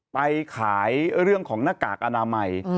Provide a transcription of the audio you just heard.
ไปขายเรื่องของหน้ากากอนามัย